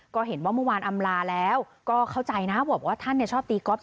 ก็เห็นว่าเมื่อวานอำลาแล้วก็เข้าใจนะบอกว่าท่านชอบตีก๊อฟ